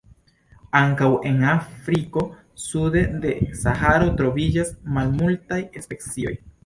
Ankaŭ en Afriko sude de Saharo troviĝas malmultaj specioj.